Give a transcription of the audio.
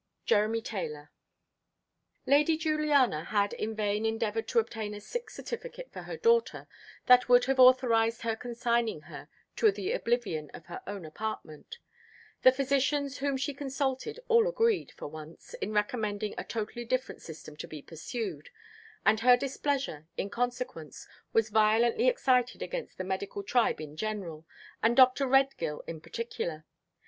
JEREMY TAYLOR. LADY Juliana had in vain endeavoured to obtain a sick certificate for her daughter, that would have authorised her consigning her to the oblivion of her own apartment. The physicians whom she consulted all agreed, for once, in recommending a totally different system to be pursued; and her displeasure, in consequence, was violently excited against the medical tribe in general, and Dr. Redgill in particular.